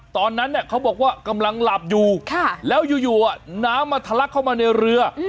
ตอนนั้นเขาบอกว่ากำลังหลับอยู่แล้วอยู่น้ำมาทะลักเข้ามาในเรือ